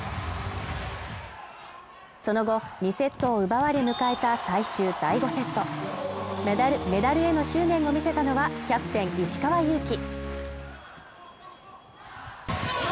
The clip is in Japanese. その後２セットを奪われ迎えた最終第５セットメダルへの執念を見せたのはキャプテン・石川祐希